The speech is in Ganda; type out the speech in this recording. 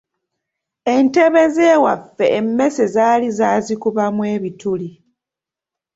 Entebe z’ewaffe emmese zaali zaazikubamu ebituli.